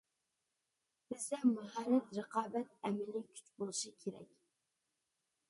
بىزدە ماھارەت، رىقابەت، ئەمەلىي كۈچ بولۇشى كېرەك.